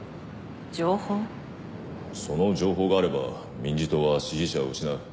その情報があれば民事党は支持者を失う。